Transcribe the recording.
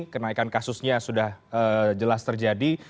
kenaikan kasusnya sudah jelas terjadi